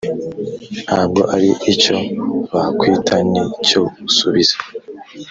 "ntabwo ari icyo bakwita, ni cyo usubiza."